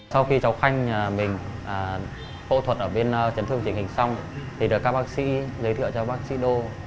sau khi cháu khanh mình phẫu thuật ở bên trấn thương chỉnh hình xong thì được các bác sĩ giới thiệu cho bác sĩ đô